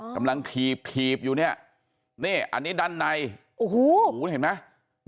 ถีบถีบอยู่เนี่ยนี่อันนี้ด้านในโอ้โหเห็นไหม